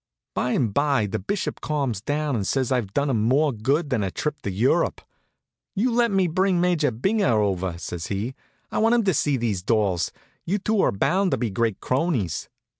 By 'm' by the Bishop calms down and says I've done him more good than a trip to Europe. "You must let me bring Major Binger over," says he. "I want him to see those dolls. You two are bound to be great cronies."